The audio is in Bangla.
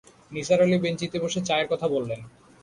নিসার আলি বেঞ্চিতে বসে চায়ের কথা বললেন।